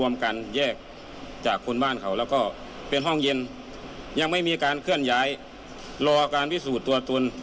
ไม่มีการเคลื่อนย้ายรอการพิสูจน์ตัวตน